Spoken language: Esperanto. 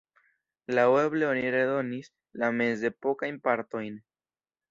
Laŭeble oni redonis la mezepokajn partojn.